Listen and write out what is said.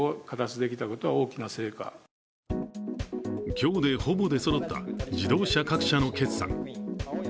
今日で、ほぼ出そろった自動車各社の決算。